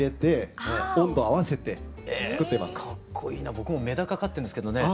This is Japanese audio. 僕もメダカ飼ってるんですけどね